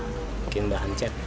bikin bahan cat